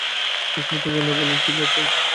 বিস্মিত গলায় বললেন, কী ব্যাপার?